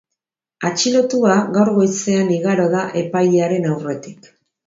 Atxilotua gaur goizean igaro da epailearen aurretik.